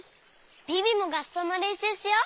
ビビもがっそうのれんしゅうしよう！